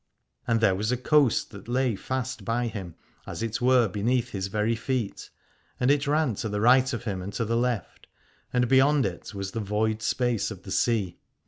And there was a coast that lay fast by him, as it were beneath his very feet : and it ran to the right of him and to the left, and beyond it was the void space of the sea.